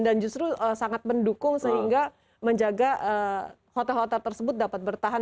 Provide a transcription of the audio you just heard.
dan justru sangat mendukung sehingga menjaga hotel hotel tersebut dapat bertahan